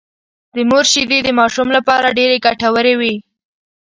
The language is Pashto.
د مور شېدې د ماشوم لپاره ډېرې ګټورې وي